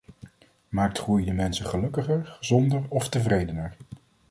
Maakt groei de mensen gelukkiger, gezonder of tevredener?